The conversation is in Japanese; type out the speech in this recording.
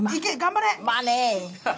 まあね。